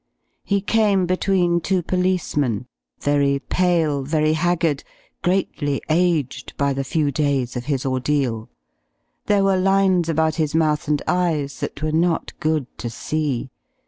He came between two policemen, very pale, very haggard, greatly aged by the few days of his ordeal. There were lines about his mouth and eyes that were not good to see.